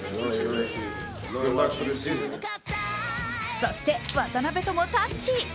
そして、渡邊ともタッチ。